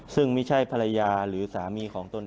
ซึ่งไม่ใช่ภรรยาหรือสามีของตน